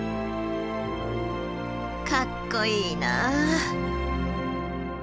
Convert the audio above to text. かっこいいなあ。